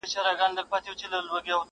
o زاړه، په خواړه٫